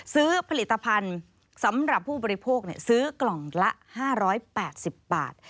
ซื้อผลิตภัณฑ์สำหรับผู้บริโภคซื้อกล่องละ๕๘๐บาท